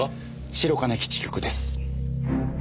白金基地局です。